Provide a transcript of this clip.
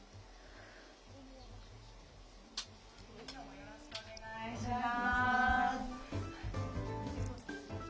よろしくお願いします。